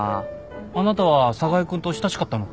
あなたは寒河江君と親しかったの？